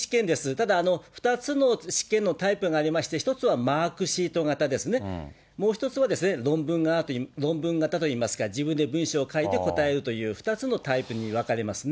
ただ、２つの試験のタイプがありまして、１つはマークシート型ですね、もう一つは論文型といいますか、自分で文章を書いて答えるという２つのタイプに分かれますね。